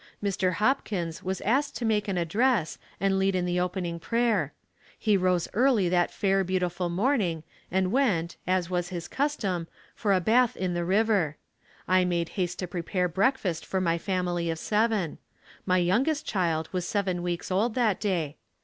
Mr. Hopkins was asked to make an address and lead in the opening prayer. He rose early that fair beautiful morning and went, as was his custom, for a bath in the river. I made haste to prepare breakfast for my family of seven. My youngest child was seven weeks old that day.